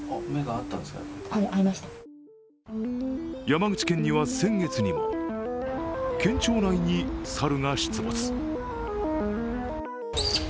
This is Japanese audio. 山口県には先月にも県庁内に猿が出没。